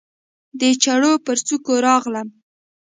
د چړو پر څوکو راغلم